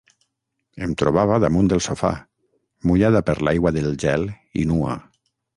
Em trobava damunt del sofà, mullada per l'aigua del gel i nua.